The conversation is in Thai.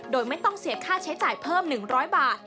โดยไม่ต้องเสียค่าใช้จ่ายเพิ่ม๑๐๐บาท